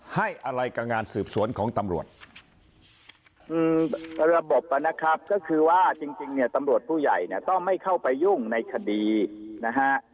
ให้อะไรกับงานสืบสวนของตำรวจอืมระบบนะครับก็คือว่าจริงจริงเนี่ยตำรวจผู้ใหญ่เนี่ยต้องไม่เข้าไปยุ่งในคดีนะฮะ